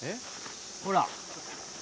ほら。